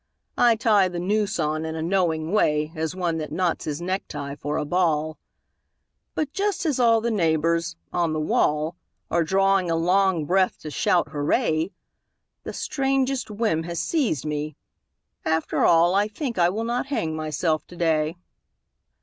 I tie the noose on in a knowing way As one that knots his necktie for a ball; But just as all the neighbours on the wall Are drawing a long breath to shout 'Hurray!' The strangest whim has seized me ... After all I think I will not hang myself today.